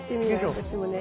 こっちもね。